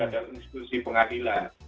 dalam institusi pengadilan